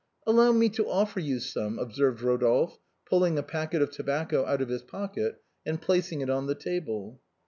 "Allow me to offer you some," observed Rodolphe,, pulling a packet of tobacco out of his pocket and placing it on the table.